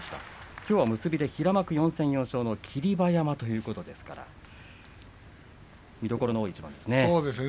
きょうは結びで平幕４戦４勝の霧馬山ということですから見どころの一番ですね。